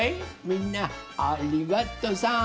みんなありがとさん！